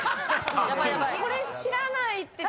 これ知らないって。